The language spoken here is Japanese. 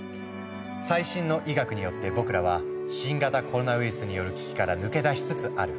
最新の医学によって僕らは新型コロナウイルスによる危機から抜け出しつつある。